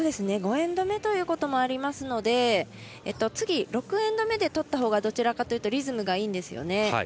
５エンド目ということもありますので次、６エンド目で取ったほうがどちらかというとリズムがいいんですよね。